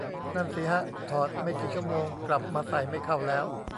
นั่นสิฮะ ถอดไม่กี่ชั่วโมง กลับมาใส่ไม่เข้าแล้ว